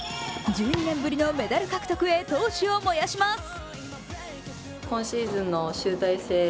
１２年ぶりのメダル獲得へ闘志を燃やします。